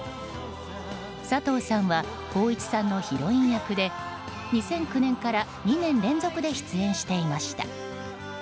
佐藤さんは光一さんのヒロイン役で２００９年から２年連続で出演していました。